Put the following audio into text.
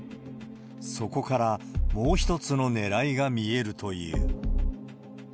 そこから、もう一つのねらいが見えるという。